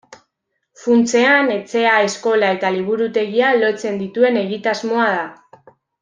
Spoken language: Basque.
Funtsean, etxea, eskola eta liburutegia lotzen dituen egitasmoa da.